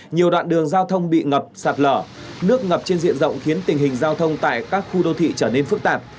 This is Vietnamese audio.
nhiều đoạn đường giao thông bị ngập sạt lở nước ngập trên diện rộng khiến tình hình giao thông tại các khu đô thị trở nên phức tạp